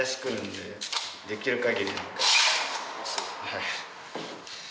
はい。